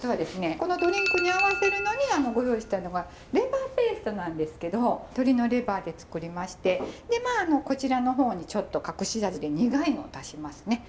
このドリンクに合わせるのにご用意したのはレバーペーストなんですけど鶏のレバーで作りましてこちらの方にちょっと隠し味で苦いのを足しますね。